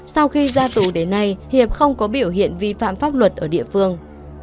sau khi ra tù đến nay hiệp không có biểu hiện vi phạm pháp luật ở địa phương